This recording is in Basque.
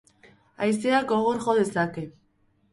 Haizeak gogor jo dezake.